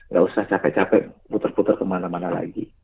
nggak usah capek capek putar putar ke mana mana lagi